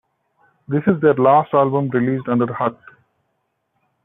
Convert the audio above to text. This is their last album released under Hut.